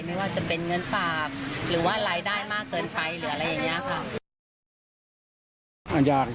ไม่ว่าจะเป็นเงินฝากหรือว่ารายได้มากเกินไปหรืออะไรอย่างนี้ค่ะ